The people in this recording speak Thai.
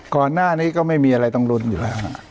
ก่อนหน้านี้ก็ไม่มีอะไรต้องลุ้นอยู่แล้ว